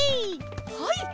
はい！